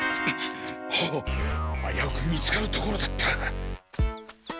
ホッあやうく見つかるところだった。